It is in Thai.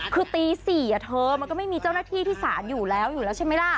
คือตีสี่อะเธอมันก็ไม่มีเจ้าหน้าที่ที่สารอยู่แล้วใช่ไหมล่ะ